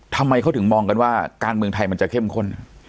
ทำไมเขาถึงมองกันว่าการเมืองไทยมันจะเข้มข้น